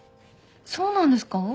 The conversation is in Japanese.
そうなんですか？